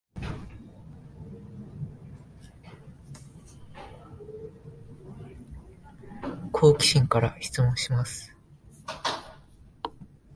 好奇心から質問します